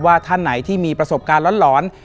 ท่านไหนที่มีประสบการณ์หลอน